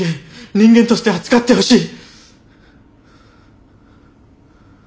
人間として扱ってほしい。